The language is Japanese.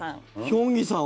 ヒョンギさん